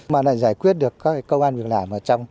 mà lại giải quyết được các công an việc làm